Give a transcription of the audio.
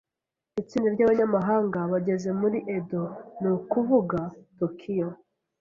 Itsinda ryabanyamahanga bageze muri Edo, ni ukuvuga Tokiyo.